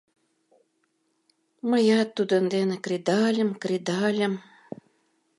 — Мыят тудын дене кредальым, кредальым...